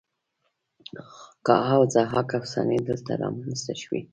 کاوه او ضحاک افسانې دلته رامینځته شوې